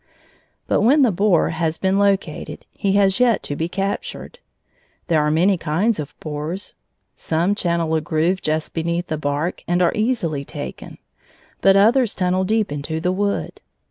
But when the borer has been located, he has yet to be captured. There are many kinds of borers. Some channel a groove just beneath the bark and are easily taken; but others tunnel deep into the wood.